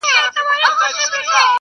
اوس به څوك د جلالا ګودر ته يوسي!.